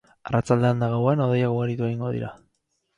Arratsaldean eta gauean hodeiak ugaritu egingo dira.